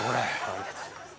ありがとうございます。